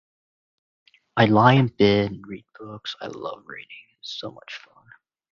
I lie in bed, read books. I love reading, so much fun.